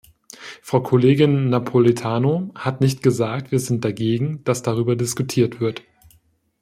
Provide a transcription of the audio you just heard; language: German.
Frau Kollegin Napoletano hat nicht gesagt, wir sind dagegen, dass darüber diskutiert wird.